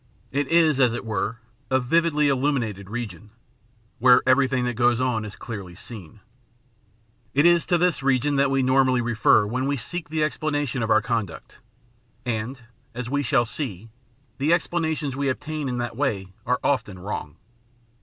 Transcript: It is, as it were, a vividly illuminated region, where everything that goes on is clearly seen. It is to this region that we normally refer when we seek the explanation of oiu* conduct, and, as we shall see, the explanations we obtain in that way are often wrong.